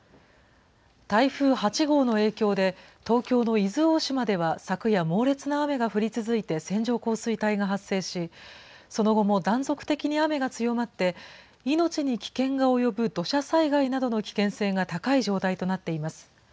台風８号の影響で、東京の伊豆大島では、昨夜、猛烈な雨が降り続いて線状降水帯が発生し、その後も断続的に雨が強まって、命に危険が及ぶ土砂災害などの危険性が高い状態となっています。